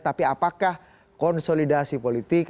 tapi apakah konsolidasi politik